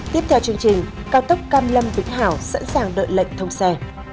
tiếp theo chương trình cao tốc cam lâm vĩnh hảo sẵn sàng đợi lệnh thông xe